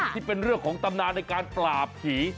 ที่เป็นเรื่องของตำนานในการปราบผี